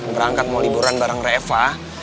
berangkat mau liburan bareng reva